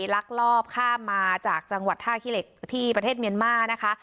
ลักลอบข้ามมาจากจังหวัดท่าขี้เหล็กที่ประเทศเมียนมานะคะ